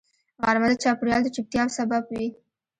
غرمه د چاپېریال د چوپتیا سبب وي